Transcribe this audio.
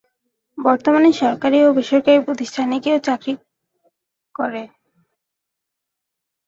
বর্তমানে সরকারি ও বেসরকারি প্রতিষ্ঠানে কেউ কেউ চাকরি করে।